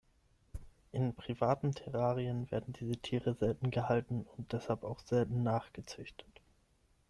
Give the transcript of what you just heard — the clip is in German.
In privaten Terrarien werden diese Tiere selten gehalten und deshalb auch selten nachgezüchtet.